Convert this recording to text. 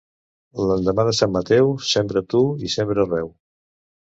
L'endemà de sant Mateu, sembra tu i sembra arreu.